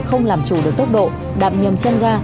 không làm chủ được tốc độ đạm nhầm chân ga